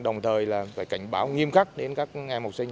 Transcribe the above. đồng thời là phải cảnh báo nghiêm khắc đến các em học sinh